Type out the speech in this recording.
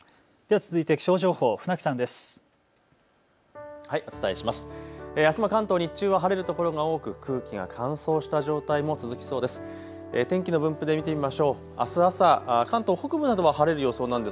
続いて気象情報、船木さんです。